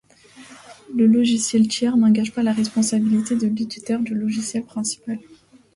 Le logiciel tiers n'engage pas la responsabilité de l'éditeur du logiciel principal.